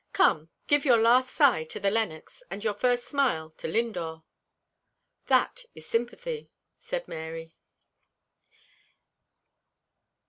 Come, give your last sigh to the Lennox, and your first smile to Lindore." "That is sympathy," said Mary.